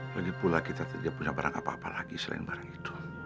lagi pula kita tidak punya barang apa apa lagi selain barang itu